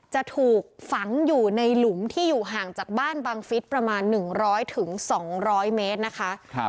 จะถูกฝังอยู่ในหลุมที่อยู่ห่างจากบ้านบังฟิศประมาณ๑๐๐๒๐๐เมตรนะคะ